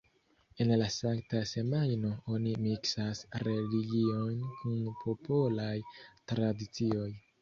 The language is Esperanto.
En la Sankta Semajno oni miksas religion kun popolaj tradicioj.